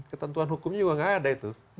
ketentuan hukumnya juga nggak ada itu